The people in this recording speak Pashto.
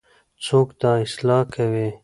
څوک دا اصلاح کوي؟